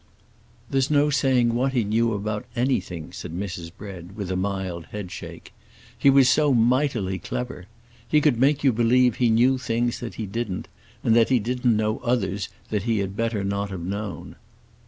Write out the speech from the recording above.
"There's no saying what he knew about anything," said Mrs. Bread, with a mild head shake. "He was so mightily clever. He could make you believe he knew things that he didn't, and that he didn't know others that he had better not have known."